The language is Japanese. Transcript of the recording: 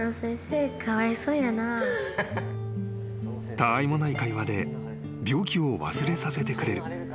［たわいもない会話で病気を忘れさせてくれる］